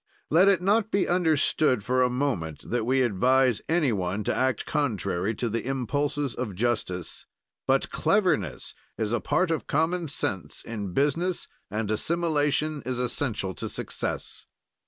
Let it not be understood for a moment, that we advise any one to act contrary to the impulses of justice. But cleverness is a part of common sense in business, and assimilation is essential to success.